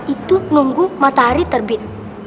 itu nunggu matahari terbit